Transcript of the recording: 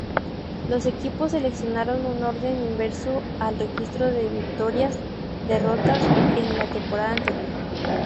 Los equipos seleccionaron en orden inverso al registro de victiorias-derrotas en la temporada anterior.